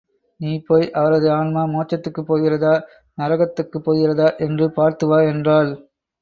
நீ போய் அவரது ஆன்மா மோட்சத்துக்குப் போகிறதா—நரகத்துக்குப் போகிறதா என்று பார்த்து வா என்றாள்.